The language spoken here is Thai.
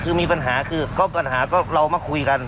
คือมีปัญหาก็เรามาคุยกัน